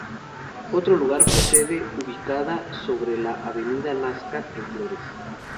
Otro lugar fue la sede ubicada sobre la Avenida Nazca, en Flores.